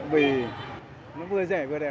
vì nó vừa rẻ vừa đẹp